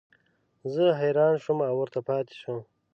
زه حیران شوم او ورته پاتې شوم.